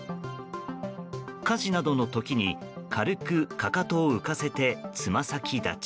家事などの時に軽くかかとを浮かせてつま先立ち。